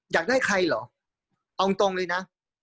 อยากได้ใครเหรอเอาตรงเลยนะ